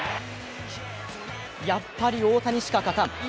やっぱり大谷しか勝たん。